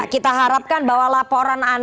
kita harapkan bahwa laporan